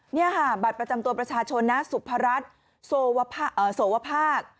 นี่ค่ะบัตรประจำตัวประชาชนนะสุพรัชโสวภาค